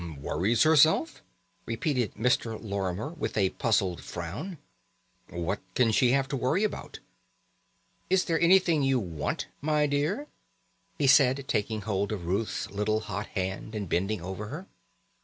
"Worries herself?" repeated Mr. Lorimer, with a puzzled frown. "What can she have to worry about? Is there anything you want, my dear?" he said, taking hold of Ruth's little hot hand and bending over her.